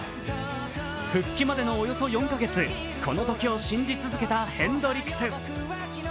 復帰までのおよそ４か月、この時を信じ続けたヘンドリクス。